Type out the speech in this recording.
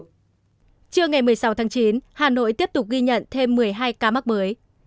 trưa ngày một mươi sáu tháng chín hà nội tiếp tục ghi nhận thêm một mươi hai ca mắc mới